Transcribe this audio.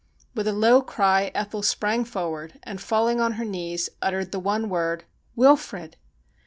With a low cry Ethel sprang forward, and, falling on her knees, uttered the one word :' Wilfrid